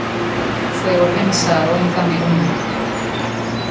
Fue organizado en Camerún.